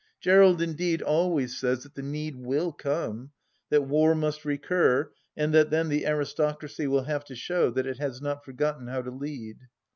Gerald indeed always says that the need will come ; that war must recur, and that then the aristocracy will have to show that it has not forgotten how to lead.